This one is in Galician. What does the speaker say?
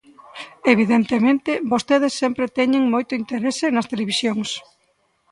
Evidentemente, vostedes sempre teñen moito interese nas televisións.